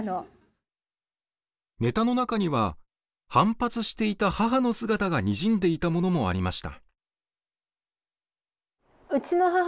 ネタの中には反発していた母の姿がにじんでいたものもありました。